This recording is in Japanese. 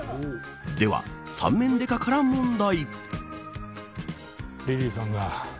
では、三面刑事から問題。